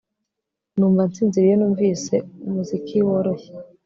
Numva nsinziriye iyo numvise umuziki woroshye